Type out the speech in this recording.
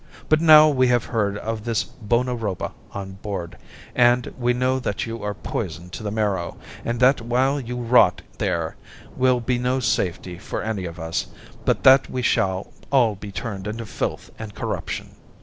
But now we have heard of this bona roba on board, and we know that you are poisoned to the marrow, and that while you rot there will be no safety for any of us, but that we shall all be turned into filth and corruption.